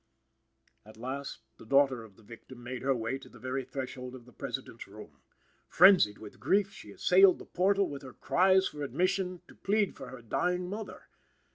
At last, the daughter of the victim made her way to the very threshold of the President's room. Frenzied with grief she assailed the portal with her cries for admission to plead for her dying mother.